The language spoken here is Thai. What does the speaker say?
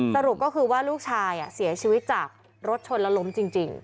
สรุปก็คือว่าลูกชายเสียชีวิตจากรถชนแล้วล้มจริง